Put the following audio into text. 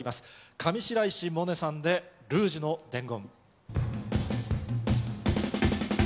上白石萌音さんで、ルージュの伝言。